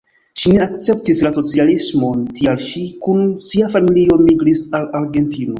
Ŝi ne akceptis la socialismon, tial ŝi kun sia familio migris al Argentino.